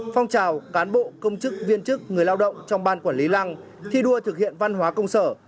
phong trào cán bộ công chức viên chức người lao động trong ban quản lý lăng thi đua thực hiện văn hóa công sở